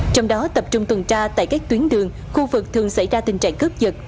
trong đó tập trung tuần tra tại các tuyến đường khu vực thường xảy ra tình trạng cướp dật